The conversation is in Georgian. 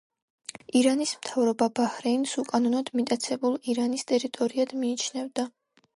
ირანის მთავრობა ბაჰრეინს უკანონოდ მიტაცებულ ირანის ტერიტორიად მიიჩნევდა.